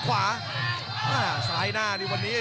กำปั้นขวาสายวัดระยะไปเรื่อย